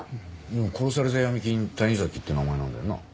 でも殺された闇金谷崎って名前なんだよな？